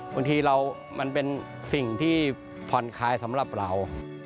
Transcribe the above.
บางทีเรามันเป็นสิ่งที่ผ่อนคลายสำหรับเรา